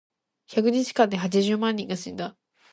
百日間で八十万人が死んだ。